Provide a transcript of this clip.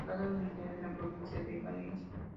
Situado en el interior de la provincia de Valencia.